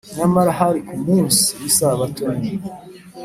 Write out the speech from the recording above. . Nyamara hari ku munsi w’Isabato nini